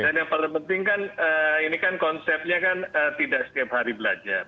dan yang paling penting kan ini kan konsepnya kan tidak setiap hari belajar